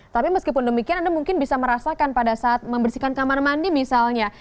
tapi meskipun demikian anda mungkin bisa merasakan pada saat membersihkan kamar mandi misalnya